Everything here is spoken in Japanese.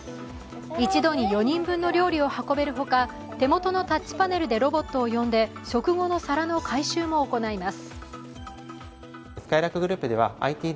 一度に４人分の料理を運べるほか手元のタッチパネルでロボットを呼んで食後の皿の回収も行います。